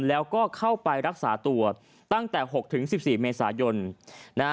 แล้วก็เข้าไปรักษาตัวตั้งแต่๖๑๔เมษายนนะฮะ